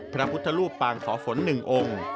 พระพุทธรูปปางสอฝน๑องค์